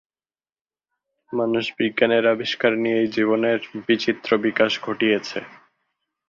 মানুষ বিজ্ঞানের আবিষ্কার নিয়েই জীবনের বিচিত্র বিকাশ ঘটিয়েছে।